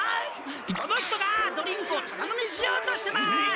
この人がドリンクをタダ飲みしようとしてます！